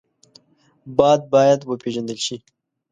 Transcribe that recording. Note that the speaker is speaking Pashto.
باد باید وپېژندل شي